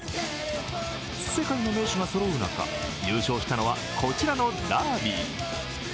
世界の名手がそろう中優勝したのはこちらのダーヴィー。